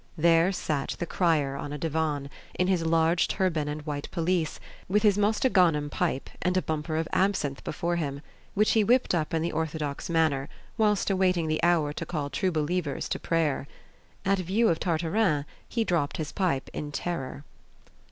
There sat the crier on a divan, in his large turban and white pelisse, with his Mostaganam pipe, and a bumper of absinthe before him, which he whipped up in the orthodox manner, whilst awaiting the hour to call true believers to prayer. At view of Tartarin, he dropped his pipe in terror.